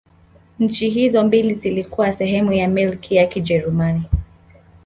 Nchi hizo mbili zilikuwa sehemu ya Milki ya Kijerumani.